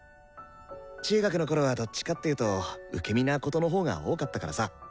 中学のころはどっちかっていうと受け身なことのほうが多かったからさ。